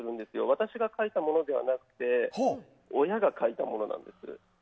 私が書いたものではなくて親が書いたものなんです。